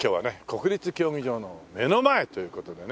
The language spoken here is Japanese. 国立競技場の目の前という事でね。